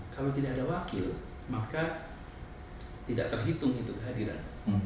kalau tidak ada wakil maka tidak terhitung itu kehadiran